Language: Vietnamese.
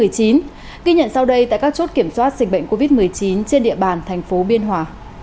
covid một mươi chín trên địa bàn thành phố biên hòa